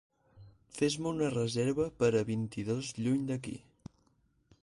Fes-me una reserva per a vint-i-dos lluny d'aquí